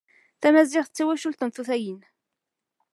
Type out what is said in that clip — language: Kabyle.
Tamaziɣt d tawacult n tutayin.